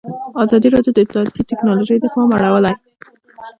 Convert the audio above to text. ازادي راډیو د اطلاعاتی تکنالوژي ته پام اړولی.